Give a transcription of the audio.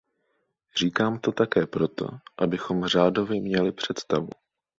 Říkám to také proto, abychom řádově měli představu.